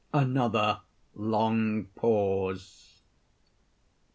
[_Another long pause.